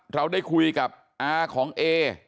เราได้คุยกับอาของเอ